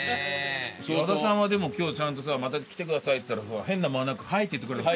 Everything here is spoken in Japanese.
矢田さんは今日はちゃんとさ「また来てください」って言ったら変な間なく「はい」って言ってくれたね。